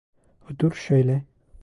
Otur şöyle.